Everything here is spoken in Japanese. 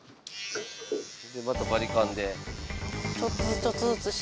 またバリカンで。